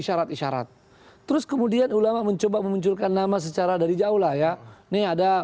syarat isyarat terus kemudian ulama mencoba memunculkan nama secara dari jauh lah ya ini ada